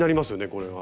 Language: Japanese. これは。